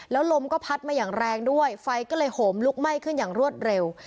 แล้วลมก็พัดมาอย่างแรงด้วยไฟก็เลยโหมลุกไหม้ขึ้นอย่างรวดเร็ว